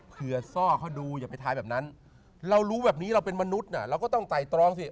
ซ่อเขาดูอย่าไปทายแบบนั้นเรารู้แบบนี้เราเป็นมนุษย์เราก็ต้องไต่ตรองสิ